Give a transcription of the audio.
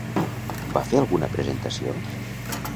Va fer alguna presentació?